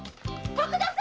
徳田様！